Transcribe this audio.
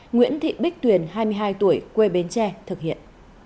nguyễn thị bích tuyền hai mươi hai tuổi quê bến tre thực hiện